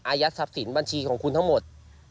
ยัดทรัพย์สินบัญชีของคุณทั้งหมด